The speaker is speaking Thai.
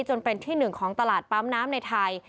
จนเป็นที่หนึ่งของตลาดปั๊มน้ำในไทย